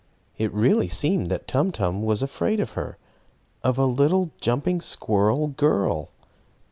It really seemed that Tum Tum was afraid of her of a little, jumping squirrel girl!